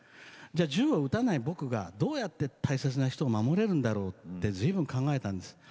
銃を打たない僕がどうやって大切な人を守れるんだろうとずいぶん考えたんです。